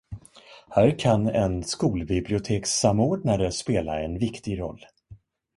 Här kan en skolbibliotekssamordnare spela en viktig roll.